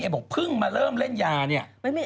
บอกเพิ่งมาเริ่มเล่นยาเนี่ย